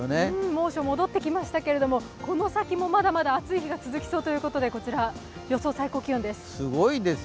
猛暑、戻ってきましたけどもこの先もまだまだ暑い日が続きそうということで予想最高気温です。